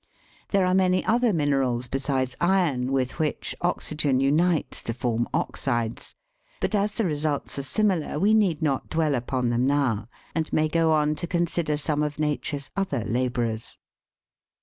There are many other minerals besides iron with which oxygen unites to form oxides, buf as the results are similar we need not dwell upon them now, and may go on to consider some of Nature's other labourers.